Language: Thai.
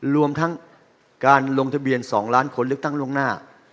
รวมทั้งการลงทะเบียน๒ล้านคนเลือกตั้งล่วงหน้า